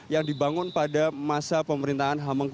yang dibangun pada masa pemerintahnya